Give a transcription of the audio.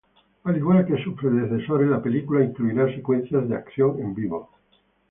Al igual que sus predecesores, la película incluirá secuencias de acción en vivo.